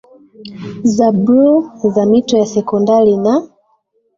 za bluu za mito ya sekondari na